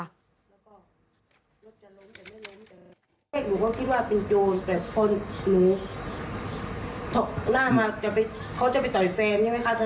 ผมก็คิดว่าเป็นโจรแต่คนหนูถูกร่าดมาเขาจะไปต่อยเฟรมใช่ไหมค่ะ